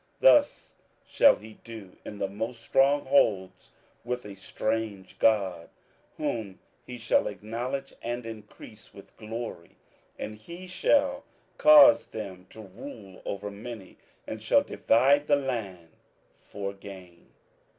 27:011:039 Thus shall he do in the most strong holds with a strange god, whom he shall acknowledge and increase with glory: and he shall cause them to rule over many, and shall divide the land for gain.